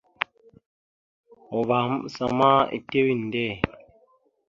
Uvah maɓəsa ma etew inde.